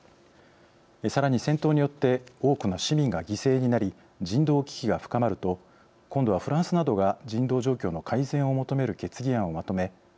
さらに、戦闘によって多くの市民が犠牲になり人道危機が深まると今度はフランスなどが人道状況の改善を求める決議案をまとめ